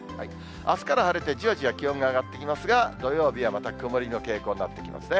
あすから晴れてじわじわ気温が上がってきますが、土曜日はまた曇りの傾向になってきますね。